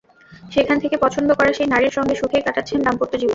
সেখান থেকে পছন্দ করা সেই নারীর সঙ্গে সুখেই কাটাচ্ছেন দাম্পত্য জীবন।